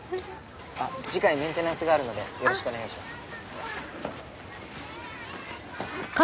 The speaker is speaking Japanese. あっ次回メンテナンスがあるのでよろしくお願いします。